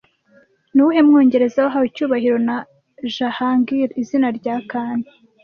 Ni uwuhe mwongereza wahawe icyubahiro na Jahangir izina rya 'Khan'